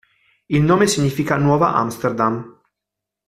Il nome significa "nuova Amsterdam".